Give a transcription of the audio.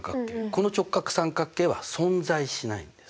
この直角三角形は存在しないんです。